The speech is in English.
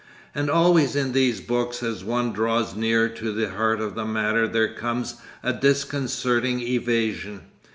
And always in these books as one draws nearer to the heart of the matter there comes a disconcerting evasion.